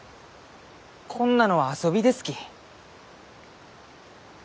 こんなのは遊びですき。